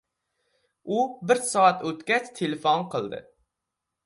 U bir soat oʻtgach, telefon qildi.